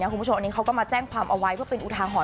คุณผู้ชมอันนี้เขาก็มาแจ้งความเอาไว้เพื่อเป็นอุทาหรณ